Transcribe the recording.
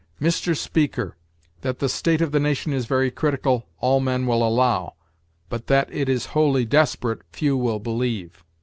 'Mr. Speaker, that the state of the nation is very critical, all men will allow; but that it is wholly desperate, few will believe.'